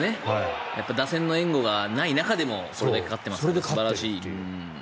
打線の援護がない中でもこれだけ勝ってますから素晴らしい。